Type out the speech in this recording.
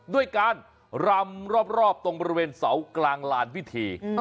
ด้วยการรำรอบตรงบริเวณเสากลางลานพิธี